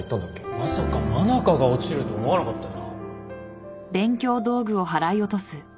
まさか真中が落ちるとは思わなかったよな